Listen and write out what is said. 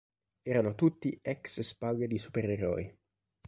Erano tutti ex spalle di supereroi.